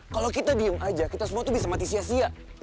kalau kita diem aja kita semua tuh bisa mati sia sia